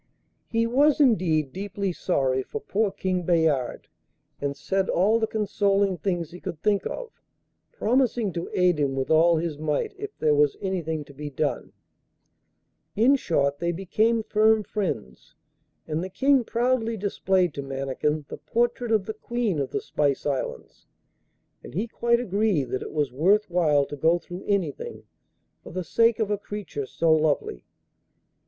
He was indeed deeply sorry for poor King Bayard, and said all the consoling things he could think of, promising to aid him with all his might if there was anything to be done. In short they became firm friends, and the King proudly displayed to Mannikin the portrait of the Queen of the Spice Islands, and he quite agreed that it was worth while to go through anything for the sake of a creature so lovely.